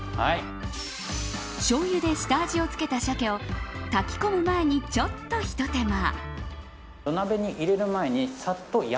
しょうゆで下味をつけた鮭を炊きこむ前にちょっとひと手間。